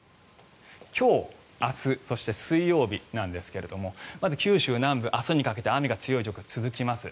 今日、明日そして水曜日なんですがまず九州南部、明日にかけて雨が強い状況が続きます。